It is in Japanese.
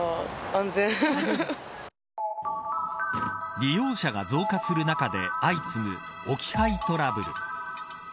利用者が増加する中で相次ぐ置き配トラブル。